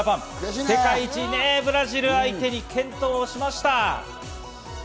世界一のブラジルを相手に健闘しました。